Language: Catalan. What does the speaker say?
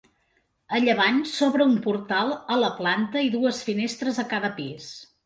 A llevant s'obre un portal a la planta i dues finestres a cada pis.